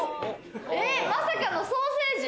まさかのソーセージ？